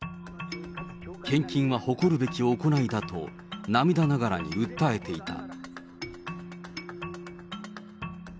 献金は誇るべき行いだと、涙ながらに訴えていた。